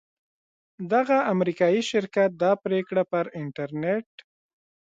دغه امریکایي شرکت دا پریکړه پر انټرنیټ